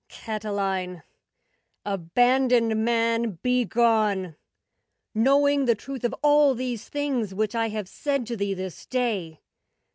Catiline, abandoned man, begone! Knowing the truth of all these things Which I have said to thee this day.